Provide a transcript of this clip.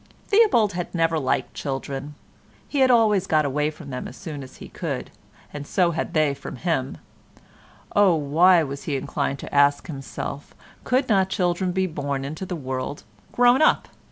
Theobald had never liked children. He had always got away from them as soon as he could, and so had they from him; oh, why, he was inclined to ask himself, could not children be born into the world grown up?